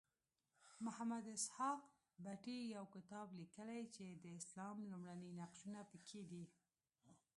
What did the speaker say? محمد اسحاق بټي یو کتاب لیکلی چې د اسلام لومړني نقشونه پکې دي.